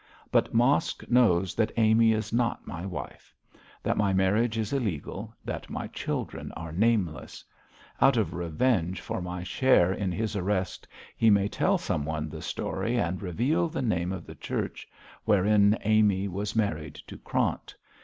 But Mosk knows that Amy is not my wife; that my marriage is illegal, that my children are nameless; out of revenge for my share in his arrest, he may tell someone the story and reveal the name of the church wherein Amy was married to Krant.